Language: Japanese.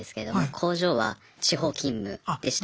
工場は地方勤務でした。